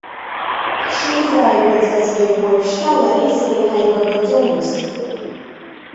Ҳшеизааигәаӡазгьы, уажәшьҭа лареи сареи ҳаибабаӡомызт.